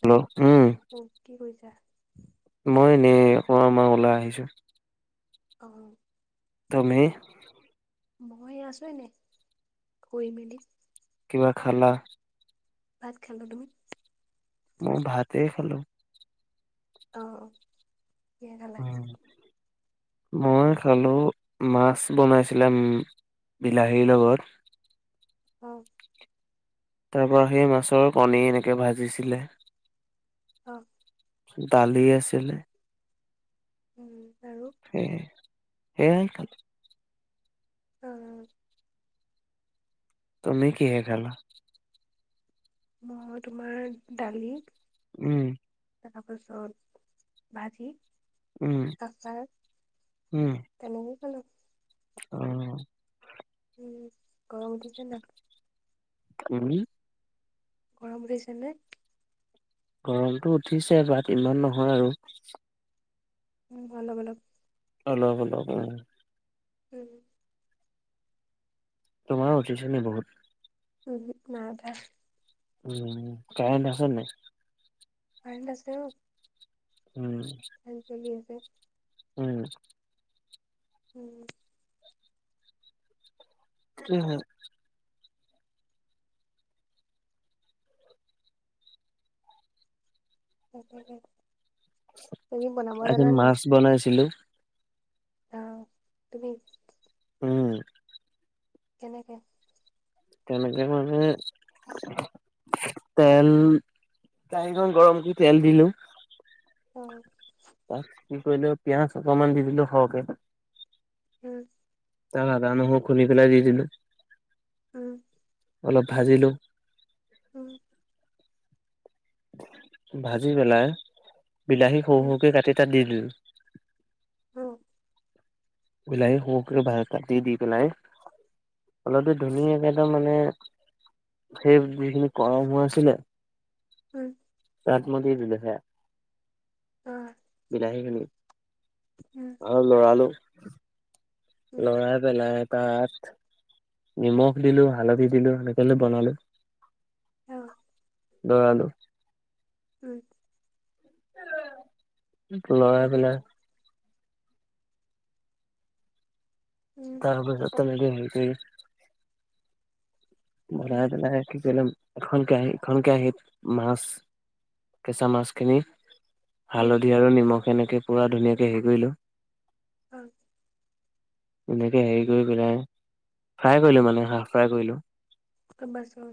Hello উম। অ' কি কৰিছা? মই এনেই আকৌ আমাৰ ওলাই আহিছো। অ'। তুমি? মই আছো এনে কৰি মেলি। কিবা খালা? ভাত খালোঁ তুমি? মই ভাতেই খালোঁ। অ', অ'। কিহে খালা উম। মই খালোঁ মাছ বনাইছিলে বিলাহীৰ লগত। অ'। তাৰ পৰা সেই মাছৰ কণী এনেকে ভাজিছিলে। অ'। দালি আছিলে। উম আৰু? সে সেয়াই খাল অ'। তুমি কিহে খালা? মই তোমাৰ দালি। উম। তাৰ পাছত ভাজি। উম আছাৰ উম তেনেকেই খালোঁ। অ'। উম, গৰম উঠিছে নে নাই? তুমি গৰম উঠিছে নে? গৰমটো উঠিছে বাট ইমান নহয় আৰু। উম, ভাল অলপ অলপ, অলপ উম। উম। তোমাৰ উঠিছে নে বহুত? উমহু নাই উঠা। উম, কাৰেণ্ট আছে নে নাই? কাৰেণ্ট আছে বাও। উম। ফেন চলি আছে। উম। উম। কি হল? তাকেহে, তুমি বনাব জানা নে নাই? বনাইছিলোঁ। অ', তুমি উম। কেনেকে? কেনেকে মানে তেল কেয়াহিখন গৰম কৰি তেল দিলোঁ। অ'। তাত কি কৰিলো পিয়াজ অকনমান দি দিলোঁ সৰহকে। উম। তাত আদা নহৰু খুন্দি পেলাই দি দিলোঁ। উম। অলপ ভাজিলোঁ। উম। ভাজি পেলাই বিলাহী উম সৰু-সৰুকে কাটি তাত দি দিলোঁ। অ'। বিলাহী সৰু ভা কাটি দি পেলাই। অলপ দেৰি ধুনীয়াকৈ মানে সেই যিখিনি কম হৈ আছিলে। উম। তাত মই দিলোঁ হেয়া। অ'। বিলাহী খিনি। উম। লৰালোঁ উম লৰাই পেলাই তাত নিমখ দিলোঁ, হালধি দিলোঁ সেনেকৈ বনালো। অ' [unintelligible] বনালো উম' লৰাই তাৰপাছত পেলাই উম তাৰপিছত পানী পৰা সেকি অ বনাই চেনেকা কি কৰিলে এখন কেৰাহী ইখন কেৰাহীত মাছ, কেঁচা মাছখিনি উম হালধি আৰু নিমখ এনেকে পুৰা ধুনীয়াকে হে কৰিলোঁ। অ' এনেকে হেৰি কৰি পেলাই ফ্ৰাই কৰিলোঁ মানে হাফ ফ্ৰাই কৰিলোঁ। [unintelligible] গম পাইছোঁ।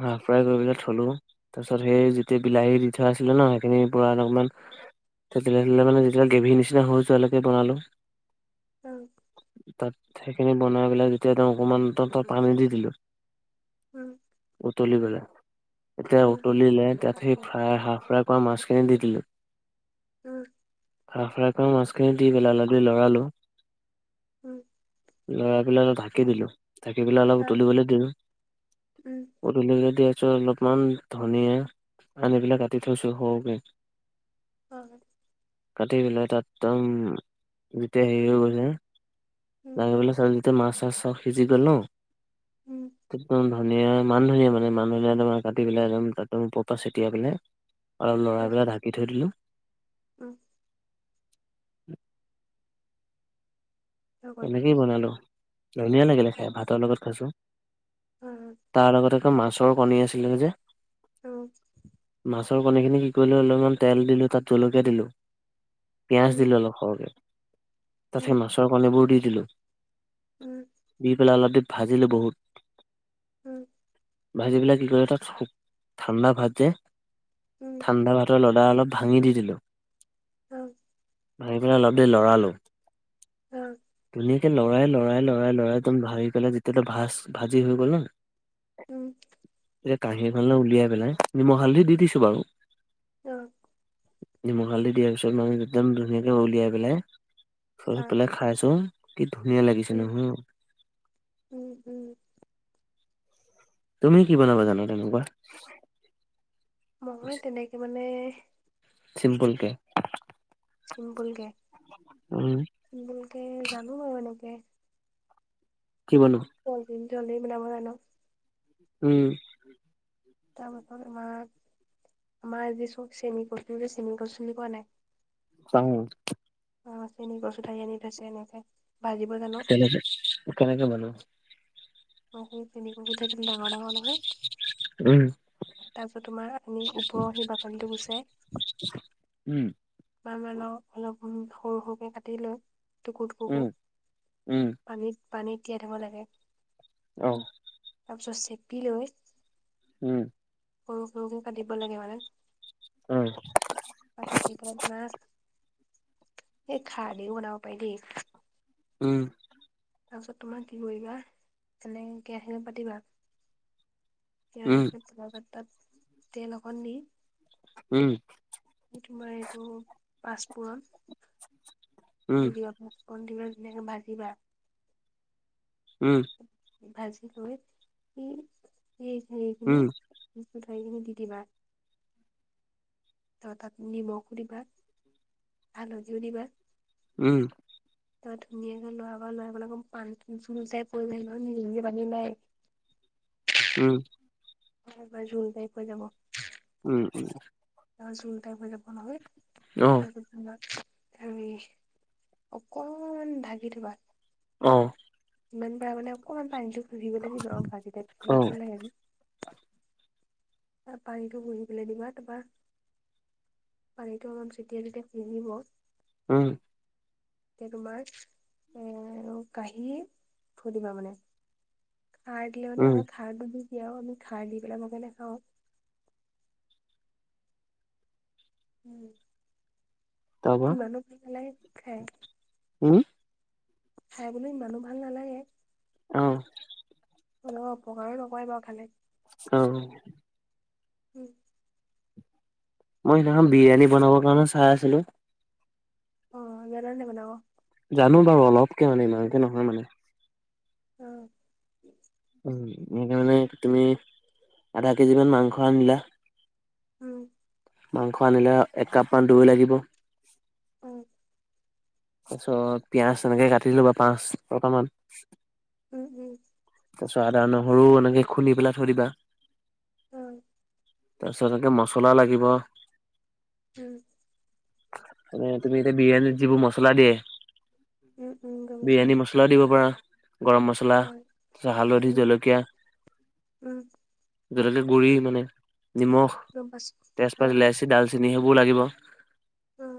হাফ ফ্ৰাই কৰি পেলায় থলোঁ। তাৰপিছত সেই যেতিয়া বিলাহী দি থোৱা আছিলে ন, সেইখিনিৰ পুৰা অলপমান তেতিয়লে মেতিয়া [unintelligible] গ্ৰেভি নিচিনা হৈ যোৱা লৈকে বনালো। উম' তাত সেইখিনি বনাই পেলাই যেতিয়া অকণমান তা তা পানী দি দিলোঁ। উম' উতলি গ'লে, এতিয়া উম উতলিলে তাত সেই ফ্ৰাই হাফ ফ্ৰাই কৰা মাছখিনি দি দিলোঁ। উম' হাফ ফ্ৰাই কৰা মাছখিনি দি পেলায় অলপ দেৰি লৰালো। উম' লৰাই পেলাই অলপ ঢাকি দিলোঁ, ঢাকি পেলাই অলপ অ উতলিবলৈ দিলোঁ। উম ধনিয়া যদি আছে অলপমান ধনিয়া আনি পেলাই কাতি থৈছোঁ সৰুকে হয়। কাটি পেলাই তাত একদম যেতিয়া হেৰি হৈ গৈছে উম লাগে পেলাই যেতিয়া মাছ-চাছ চব সিজি গ'ল ন উম' একদম ধনীয়া, মান ধনিয়া মানে মান ধনিয়া তোমাৰ কাটি পেলাই একদম তাত ওপৰৰ পৰা ছটিয়াই পেলাই অলপ অ লৰাই পেলাই ঢাকি থৈ দিলোঁ। উম' হৈ গ'ল এনেকেই বনালো, ধুনীয়া লাগিলে খাই ভাতৰ লগত খাইছোঁ। অ তাৰ লগতে একদম মাছৰ কণী আছিলে যে উম' মাছৰ কণীখিনি কি কৰিলোঁ অলপমান তেল দিলোঁ, তাত জলকীয়া দিলোঁ। পিঁয়াজ উম দিলোঁ অলপ সৰকে, তাত উম সেই মাছৰ কণীবোৰ দি দিলোঁ। উম'। দি পেলাই অলপ দেৰি ভাজিলো বহুত উম'। ভাজি পেলাই কি কৰে তাত খুব ঠাণ্ডা ভাত যে উম'। ঠাণ্ডা ভাতৰ লদা অলপ ভাঙি দি দিলোঁ। উম' ভাজি পেলাই অলপ দেৰি লৰালোঁ। হয়। ধুনীয়াকে লৰাই, লৰাই, লৰাই, লৰাই একদম ভাজি পেলাই যেতিয়াতো ভাজ, ভাজি হৈ গ'ল ন'। উম। এতিয়া কাঁহী এখনলে উলিয়াই পেলাই, নিমখ হালধি দি দিছো বাৰু। অ'। নিমখ হালধি দি দিয়াৰ পিছত মানে, একদম ধুনীয়াকে উলিয়াই পেলাই, চ আ পেলাই খাই উম, কি ধুনীয়া লাগিছে উম নহয়। উম উম। তুমি কি বনাবা জানা তেনেকুৱা? মই তেনেকে মানে চিম্পলকে। চিম্পুলকে? উম চিম্পুলকে জানো বাৰু এনেকে কি বনোৱা? [unintelligible] উম। তাৰপাছত আমাৰ আমাৰ আজি চব চেনি কচুৰে, চেনি কচু চিনি পোৱা নে নাই? পাওঁ। অ', চেনি কচু ঠাৰি আনি থৈছে এনেকে, ভাজিব জানো। কেনেকে কেনেকে বনোৱা? [unintelligible] একদম ডাঙৰ ডাঙৰ নহয়। [inaudible] উম। তাৰপিছত তোমাৰ আনি, ওপৰৰ সেই বাকলিটো গুচাই উম। মান অলপ, সৰু সৰুকে কাটি লৈ টুকুৰ টুকুৰকে, উম উম পানীত, পানীত তিয়াই থব লাগে। অ'। তাৰপিছত চেপি লৈ উম। সৰু সৰুকে কাটিব লাগে মানে উম। তাপা কাটি পেলাই তোমাৰ, সেই খাৰ দি বনাব পাৰি দেই। উম। তাৰপিছত তোমাৰ কি কৰিবা? এনে কেৰাহী পাতিবা উম, কেৰাহীখন [unintelligible] পাত তাত তেল অকণ দি উম। এই তোমাৰ এইটো পাঁচপোৰণ, উম, দি দিবা। পাঁচপুৰণ দি লৈ ধুনীয়াকে ভাজিবা। উম। ভাজি লৈ, সেই, সেই হেৰি খিনি উম, কচু ঠাৰি খিনি দি দিবা। তাপা তাত নিমখো দিবা। হালধিয়ো দিবা। উম। তই ধুনীয়াকে লৰা বা লৰাই পেলাই ক পান জোলচাই পৰি যায় ন নিজে, নিজে পানীওলাই আহে [unintelligible] উম। হয়বাৰ ফোন তাৰিখ [unintelligible] হৈ যাব উম, উম। ত জোল টাইম হৈ যাব নহয়। অহ। তাৰ পিছত তোমাক তুমি অকমান ঢাগি থবা। অ'। ইমান পাৰ মানে অকণমান পানীটো সুহিব লাগিব আৰু ভাজিটাই থাকিলে অ', ভাল লাগে যে। পানীটো শহি পেলাই দিবা তাপা পানীটো অলপ চতিয়াই চতিয়াই শুহিব উম। তে তোমাৰ এ আৰু কাহি সুধিবা মানে খাৰ দিলে উম, মানে খাৰটো দি দিয়া আৰু আমি খাৰ দি পেলাইও খাওঁ। উম, তাৰপা ইমানো ভাল পালে খাই। উম। খাই বলো ই ইমানো ভাল নালাগে। অ'। অ', অপকাৰো নকৰে বাৰু খালে। অ'। উম। মই সেইদিনাখন বিৰিয়ানী বনাবৰ কাৰণে চাই আছিলোঁ। অ', জানানে বনাব? জানো বাৰু অলপকে মানে ইমানকে নহয় মানে। অ'। উ এ মানে তুমি আধা কেজি মান মাংস আনিলা। উম। মাংস আনিলে এক কাপমান দৈ লাগিব। উ। তাৰপিছত পিঁয়াজ এনেকে কাটি দিলো বা পাঁচ ছটা মান। উম, উম। তাৰ পিছত আদা নহৰু এনেকে খুন্দি পেলাই থৈ দিবা। উম। তাৰপিছত তাতে মছলা লাগিব। উম। মানে তুমি এতিয়া বিৰিয়ানীত যিবোৰ মচলা দিয়ে। উম, উম গামোছা। মছলা দিব পৰা গৰম মছলা। তাৰ পিছত হালধি উম জলকীয়া, উম জলকীয়া গুড়ি মানে নিমখ গম পাইছো অ তেজপাত ইলাইচি ডালচেনি সেইবোৰও লাগিব। উম।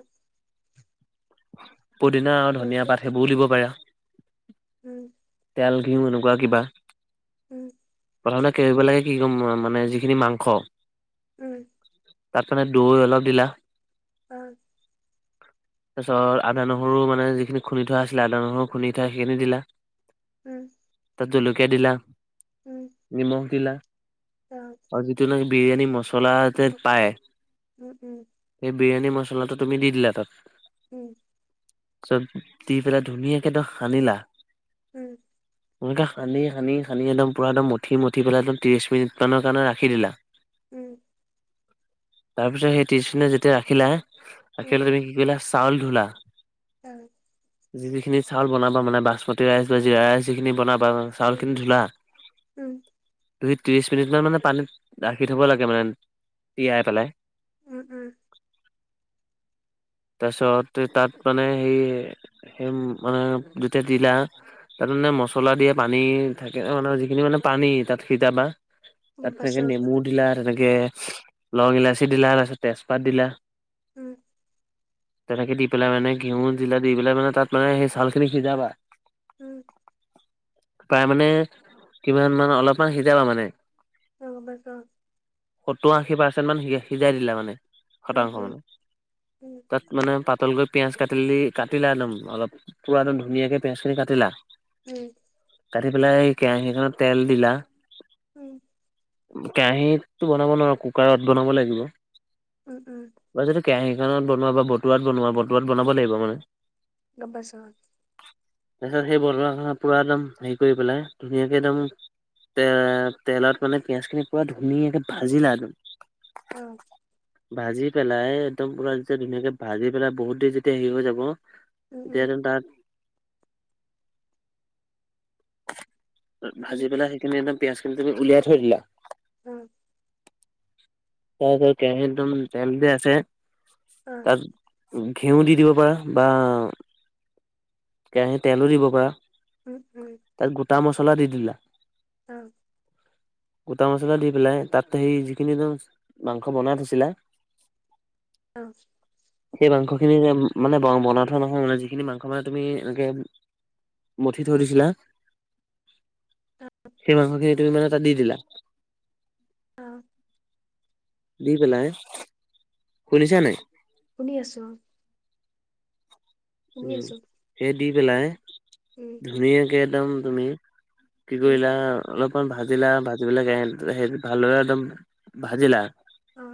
পুদিনা আৰু ধনিয়া তাৰপিছত পাত সেইবোৰও দিব পাৰা। উম। তেল ঘিউ এনেকুৱা কিবা। উম। প্ৰথমতে কি কৰিব লাগে কি ক'ম মানে যিখিনি মাংস উম। তাত মানে দৈ অলপ দিলা। অ তাৰ পিছত আদা নহৰু মানে যিখিনি খুন্দি থোৱা আছিলে আদা নহৰু খুন্দি থোৱা সেইখিনি দিলো। উম। তাত জলকীয়া দিলা। উম। নিমখ দিলা, অ আৰু যিটো বিৰিয়ানী মচলা যে পায়। উম উম। সেই বিৰিয়ানী মছলাটো তুমি দি দিলা তাত। উম। তাৰ পিছত দি পেলাই ধুনীয়াকে সানিলা, উম। এনেকৈ সানি সানি সানি একদম পূৰা একদম মঠি মঠি পেলাই একদম ত্ৰিছ মিনিটমানৰ কাৰণে ৰাখি দিলা। উম। তাৰপিছত সেই তিষ্ণা যেতিয়া ৰাখিলা, উম ৰাখি লৈ তুমি কি কৰিলা চাউল ধূলা। অঁ। যি যিখিনি চাউল বনাব মানে বাচমতি ৰাইচ বা জিৰা ৰাইচ যিখিনি বনা বা চাউল খিনি ধুলা? উম দুই ত্ৰিছ মিনিটমান মানে পানীত ৰাখি থ'ব লাগে মানে তিয়াই পেলাই। উম উম। তাৰপিছত তাত মানে সেই সেই মানে যেতিয়া দিলা, তাত মানে মচ চলা দিয়ে পানী থাকে, অঁ নহয় মানে যিখিনি মানে পানী তাত সিটাবা গম তাত তেনেকে পাইছোঁ। নেমুত দিলা তেনেকে লং ইলাচি দিলা তাৰপিছত তেজপাত দিলা। উম, তেনেকি দি পেলাই মানে ঘেঁু জিলা দি পেলাই মানে তাত মানে সেই ছালখিন সিজাবা উম। প্ৰায় মানে কিমান মান অলপমান সিজাবা মানে। অ' গম পাইছো অঁ। সত্তৰ আশী পাৰ্চেণ্ট মান সিজ সিজাই দিলে মানে উম, শতাংশ উম, মানে উম, তাত মানে পাতলকৈ পিঁয়াজ কাটিলি কাটিলা একদম অলপ পূৰা একদম ধুনীয়াকৈ পিঁয়াজখিনি কাটিলা। উম। কাটি পেলাই কেৰাহীখনত তেল দিলা, উম। কেৰাহীতটো বনাব নোৱাৰো, কুকাৰত বনাব লাগিব। উম উম। বা যদি কেৰাহীখনত বনোৱা, বা বতোৱাত বনোৱা বতোৱাত বনাব লাগিব মানে। গম পাইছো অঁ। তাৰপিছত সেই বৰোৱাখ পুৰা একদম হেৰি কৰি পেলাই, ধুনীয়াকে একদম তে তেলত মানে পিয়ঁয়াজ খিনি পুৰা ধুনীয়াকে ভাজিলা একদম উম ভাজি পেলাই একদম পুৰা যেতিয়া ধুনীয়াকে ভাজি পেলাই বহুত দেৰি যেতিয়া হেৰি হৈ যাব। উম, উম, এতিয়াতো তাত উম, ভাজি পেলাই সেইখিনিদম পিয়াজখিনি তুমি উলিয়াই থৈ দিলা উম। তাৰপিছত কেৰাহীত একদম তেল যে আছে অ'। তাত ঘিঁউ দি দিব পাৰা বা কেৰাহী তেলো দিব পাৰা ওম ওম তাত গোটা মছলা দি দিলা অ গোটা মছলা দি পেলাই তাত সেই যিখিনি দম মাংস বনাই থৈছিলা অ সেই মাংসখিনি মানে ব বনাই থোৱা [unintelligible] মানে যিখিনি মাংস মানে তুমি এনেকে মঠি থৈ দিছিলা সেই মাংস খিনি তুমি মানে তাত দি দিলা অঁ দি পেলাই শুনিছা নাই শুনি আছোঁ শুনি আছোঁ। সেই দি পেলাই উম, ধুনীয়াকৈ একদম তুমি কি উম, কৰিলা অলপমান ভাজিলা ভাজিবিলাক ভালদৰে একদম ভাজিলা অ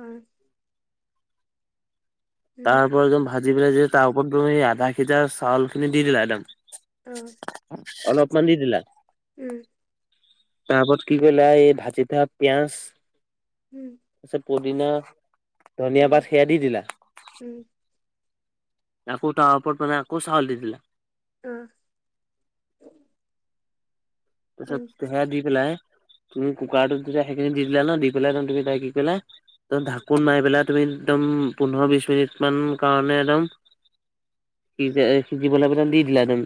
উম, তাৰ পৰা একদম ভাজি পেলাই তাৰ ওপৰতম আধা সিটা চাউল খিনি দি দিলা অ', একদম অলপ মান দি দিলা উম তাৰ উপৰত কি কৰিলা এই ভাজি থোৱা পিয়াঁজ ওম তত পদিনা ধনিয়া বাট অ', সেয়া দি দিলা উম আকৌ তাৰ ওৰত ত মানে আকৌ চউল দি দিলা। অঁ তাছয স উম, সেয়া দি পেলাই তুমি কুকাৰটোত তেতিয়া সেইখিনি দি দিলা ন দি পেলাই তুমি তাই কি কৰিলা ঢাকোন মাৰ পেলাই তুমি একদম পোন্ধৰ বিশ মিনিট মান কাৰণে একদম সিজ সিজিবলৈ দি দিলা একদম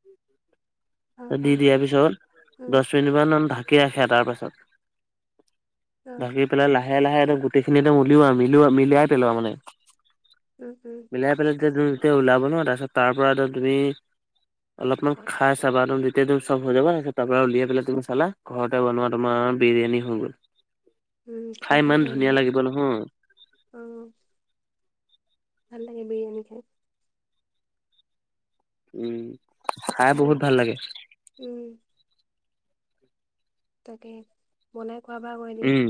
উ অ', দি অ', দিয়াৰ পিছত উম, দহ মিনিটমান ঢাকি ৰাখে তাৰ পাছত অ', ঢাকি পেলাই লাহে লাহে একদম গোটেইখিনি একদম উলওা মিলিও মিলিয়াই পেলোৱা আৰু মানে উম উম মিলাই পেলাই যেতিতিয়া ওলাব ন তাৰপিছত তাৰ পৰা তুমি অলপমান খাই চাবা [unintelligible] চব হৈ যাবা তাৰ পৰা উলিয়াই পেলাই তুমি চালা ঘৰতে বনোৱা তোমাৰ বিৰিয়ানী হৈ গ'ল উম, খাই ভাল ইমান ধুনীয়া লাগে লাগিব নহয় অ ভাল লাগে বিৰিয়ানী খাই উম, খাই বহুত ভাল লাগে! উম তাকে বনাই খোৱাবা ক এদিন। উম